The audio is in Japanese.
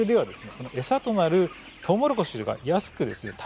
そのエサとなるトウモロコシが安くですね